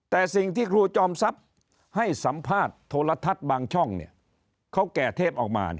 แต่สิ่งที่ครูจอมทรัพย์ให้สัมภาษณ์โทรทัศน์บางช่องเขาแก่เทพออกมา